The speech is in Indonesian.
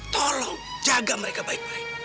tolong jaga mereka baik baik